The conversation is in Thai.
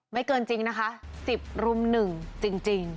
ไม่เกินจริงนะคะสิบลุมหนึ่งจริงจริง